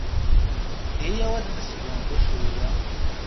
Iyyaw ad nesgunfu cwiya.